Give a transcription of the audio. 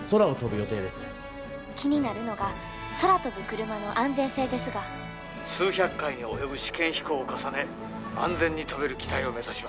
気になるのが空飛ぶクルマの安全性ですが「数百回に及ぶ試験飛行を重ね安全に飛べる機体を目指します」。